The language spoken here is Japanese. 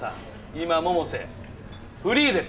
今百瀬フリーです！